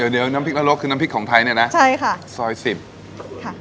เดี๋ยวน้ำพริกนรกคือน้ำพริกของไทยเนี่ยนะใช่ค่ะซอยสิบค่ะ